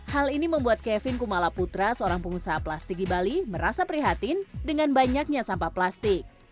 hal ini membuat kevin kumala putra seorang pengusaha plastik di bali merasa prihatin dengan banyaknya sampah plastik